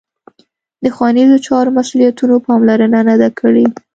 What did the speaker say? د ښوونیزو چارو مسوولینو پاملرنه نه ده کړې